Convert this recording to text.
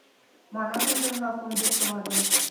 Мана мӗншӗн-ха кун пек тӑватӑн?